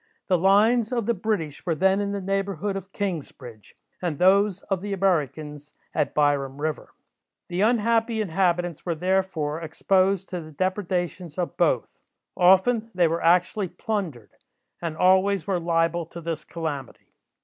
The lines of the British were then in the neighbourhood of Kingsbridge, and those of the Americans at Byram river. The unhappy inhabitants were, therefore, exposed to the depredations of both. Often they were actually plundered, and always were liable to this calamity.